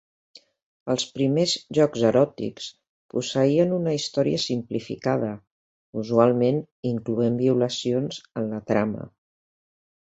Els primers jocs eròtics posseïen una història simplificada, usualment incloent violacions en la trama.